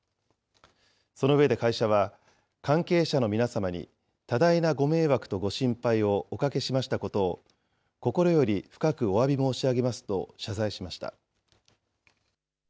その上で会社は、関係者の皆様に多大なご迷惑とご心配をおかけしましたことを心より深くおわび申し上げますと謝罪しました。